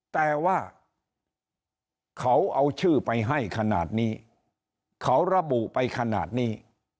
แต่ว่าเขาเอาชื่อไปให้ขนาดนี้เขาระบุไปขนาดนี้